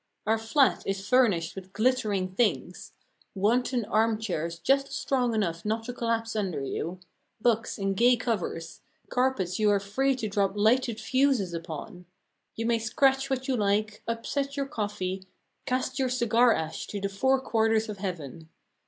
Our flat is furnished with glittering things wanton arm chairs just strong enough not to collapse under you, books in gay covers, carpets you are free to drop lighted fusees upon; you may scratch what you like, upset your coffee, cast your cigar ash to the four quarters of heaven.